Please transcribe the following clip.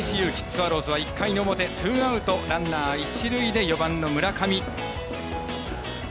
スワローズは１回の表ツーアウト、ランナー、一塁で４番の村上。